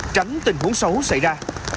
tránh tình huống xấu xảy ra